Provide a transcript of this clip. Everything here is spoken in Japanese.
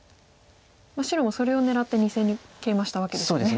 白もそれを狙って２線にケイマしたわけですよね。